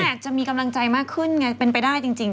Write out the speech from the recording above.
อาจจะมีกำลังใจมากขึ้นไงเป็นไปได้จริง